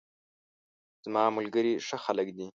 زماملګري ښه خلګ دي